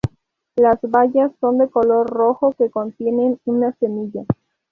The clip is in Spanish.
Las bayas son de color rojo que contienen una semilla.